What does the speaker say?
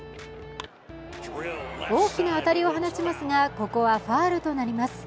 大きな当たりを放ちますがここはファウルとなります。